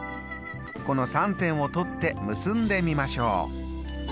この３点を取って結んでみましょう。